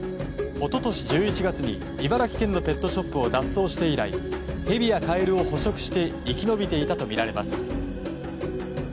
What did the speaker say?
一昨年１１月に茨城県のペットショップを脱走して以来ヘビやカエルを捕食して生き延びていたとみられます。